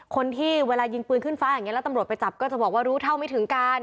คนที่เวลายิงบืนขึ้นฟ้าตำรวจไปจับก็จะบอกว่ารู้เท่าไม่ถึงการ